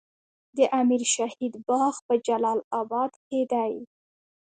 د امیر شهید باغ په جلال اباد کې دی